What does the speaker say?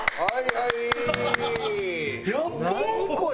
はい。